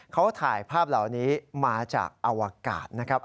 เขาถ่ายภาพเหล่านี้มาจากอวกาศนะครับ